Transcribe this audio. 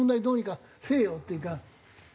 どうにかせえよっていうか。